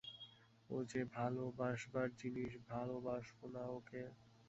ও যে ভালোবাসবার জিনিস, ভালোবাসব না ওকে?